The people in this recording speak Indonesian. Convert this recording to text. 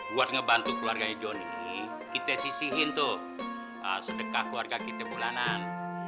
buat ngebantu keluarganya johnny kita sisihin tuh sedekah keluarga kita bulanan